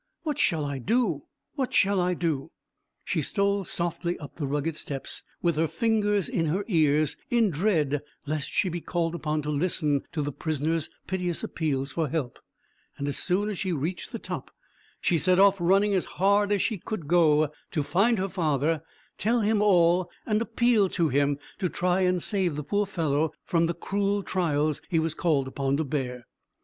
"What shall I do what shall I do?" She stole softly up the rugged steps, with her fingers in her ears, in dread lest she should be called upon to listen to the prisoner's piteous appeals for help; and, as soon as she reached the top, she set off running as hard as she could go, to find her father, tell him all, and appeal to him to try and save the poor fellow from the cruel trials he was called upon to bear.